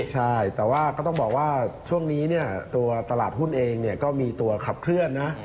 ใช่แต่ว่าก็ต้องบอกว่าช่วงนี้ตัวตลาดหุ้นเองก็มีตัวขับเคลื่อนนะ